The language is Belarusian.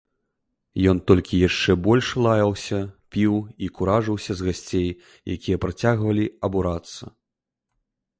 Ён толькі яшчэ больш лаяўся, піў і куражыўся з гасцей, якія працягвалі абурацца.